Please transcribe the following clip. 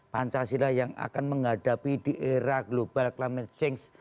pancasila yang akan menghadapi di era global climate change